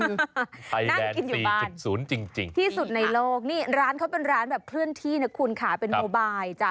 นั่งกินอยู่บ้านศูนย์จริงที่สุดในโลกนี่ร้านเขาเป็นร้านแบบเคลื่อนที่นะคุณค่ะเป็นโมบายจ้ะ